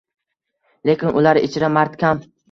Lekin ular ichra mard kam